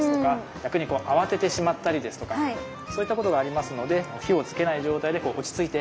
逆にこう慌ててしまったりですとかそういったことがありますので火をつけない状態でこう落ち着いて。